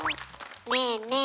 ねえねえ